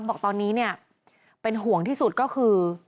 บอกตอนนี้เนี่ยเป็นห่วงที่สุดก็คือ